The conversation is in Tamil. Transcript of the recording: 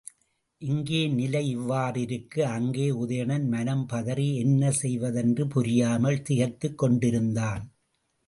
இங்கே நிலை இவ்வாறிருக்க அங்கே உதயணன் மனம் பதறி, என்ன செய்வதென்று புரியாமல் திகைத்துக் கொண்டிருந்தான்.